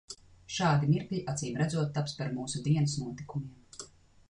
Šādi mirkļi acīmredzot taps par mūsu dienas notikumiem.